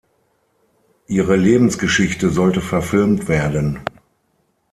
Ihre Lebensgeschichte sollte verfilmt werden.